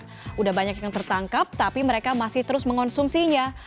sudah banyak yang tertangkap tapi mereka masih terus mengonsumsinya